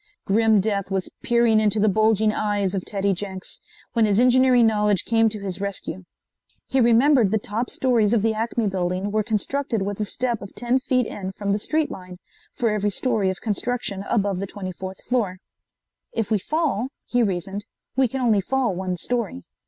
Grim death was peering into the bulging eyes of Teddy Jenks, when his engineering knowledge came to his rescue. He remembered the top stories of the Acme building were constructed with a step of ten feet in from the street line, for every story of construction above the 24th floor. "If we fall," he reasoned, "we can only fall one story."